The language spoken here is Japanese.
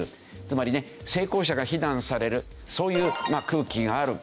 つまりね成功者が非難されるそういう空気がある。